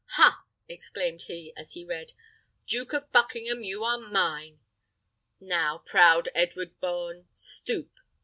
"Ha!" exclaimed he, as he read, "Duke of Buckingham, you are mine! Now, proud Edward Bohun, stoop!